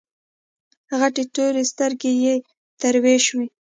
غټې تورې سترګې يې تروې شوې.